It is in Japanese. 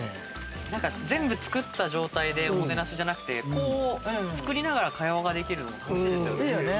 全部作った状態でおもてなしじゃなくて、作りながら会話ができるの楽しいですよね。